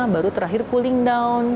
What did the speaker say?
baru terakhir cooling down